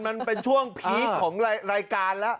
มันเป็นช่วงพีคของรายการแล้ว